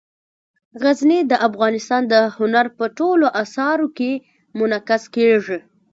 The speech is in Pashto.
غزني د افغانستان د هنر په ټولو اثارو کې منعکس کېږي.